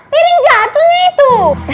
piring jatuhnya itu